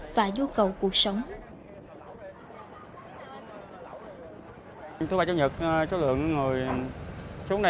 và nhu cầu cuộc sống